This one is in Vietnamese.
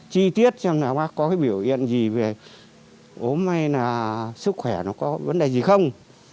chi tiết xem là bác có cái biểu hiện gì về ốm hay là sức khỏe nó có vấn đề gì không